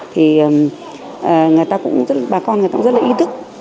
thì bà con người ta cũng rất là y thức